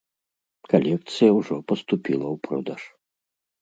Калекцыя ўжо паступіла ў продаж.